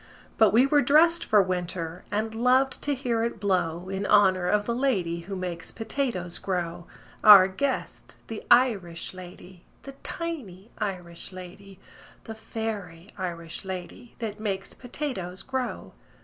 But we were dressed for winter, And loved to hear it blow In honor of the lady Who makes potatoes grow Our guest, the Irish lady, The tiny Irish lady, The fairy Irish lady That makes potatoes grow.